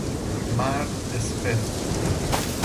مرد اسپرم